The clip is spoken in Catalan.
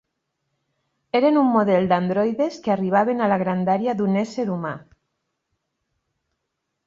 Eren un model d'androides que arribaven a la grandària d'un ésser humà.